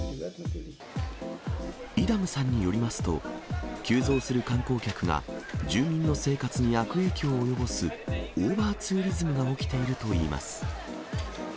イダムさんによりますと、急増する観光客が住民の生活に悪影響を及ぼすオーバーツーリズムが起きているといいます。